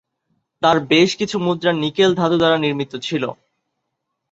তার বেশ কিছু মুদ্রা নিকেল ধাতু দ্বারা নির্মিত ছিল।